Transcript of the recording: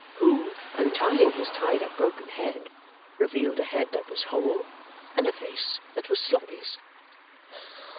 Who, untying his tied up broken head, revealed a head that was whole, and a face that was Sloppy's.